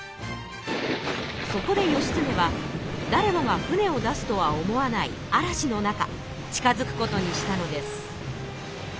そこで義経はだれもが船を出すとは思わない嵐の中近づくことにしたのです。